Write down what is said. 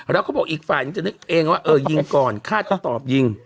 แล้วเขาบอกอีกฝ่ายนึงจะนึกเองว่าเออยิงก่อนฆ่าก็ตอบยิง